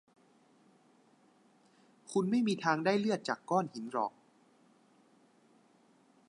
คุณไม่มีทางได้เลือดจากก้อนหินหรอก